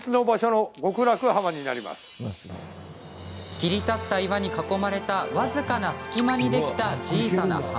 切り立った岩に囲まれた僅かな隙間にできた小さな浜。